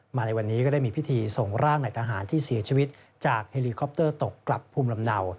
มาในวันนี้ก็ได้มีพิธีส่งร่างในทหารที่เสียชีวิตจากเฮลิคอปเตอร์ตกกลับภูมิลำเนา